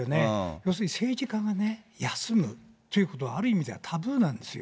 要するに政治家がね、休むということは、ある意味じゃタブーなんですよ。